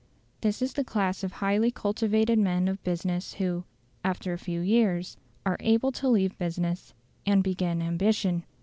This is the class of highly cultivated men of business who, after a few years, are able to leave business and begin ambition.